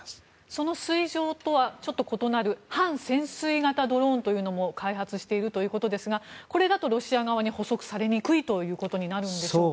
その水上とはちょっと異なる半潜水型ドローンというものも開発しているということですがこれだとロシア側に捕捉されにくいということになるんでしょうか？